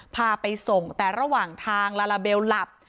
พาไปส่งแต่ระหว่างทางลาลาเบลหลับ